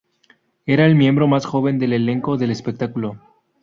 Era el miembro más joven del elenco del espectáculo.